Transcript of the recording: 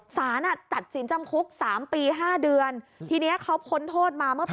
สารอ่ะตัดสินจำคุก๓ปี๕เดือนทีเนี้ยเขาพ้นโทษมาเมื่อ๘